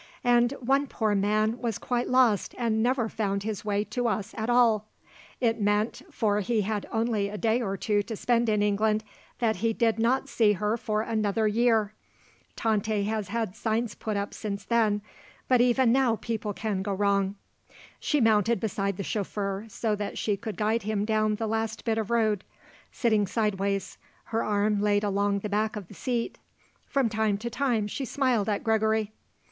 And one poor man was quite lost and never found his way to us at all. It meant, for he had only a day or two to spend in England, that he did not see her for another year. Tante has had signs put up since then; but even now people can go wrong." She mounted beside the chauffeur so that she could guide him down the last bit of road, sitting sideways, her arm laid along the back of the seat. From time to time she smiled at Gregory.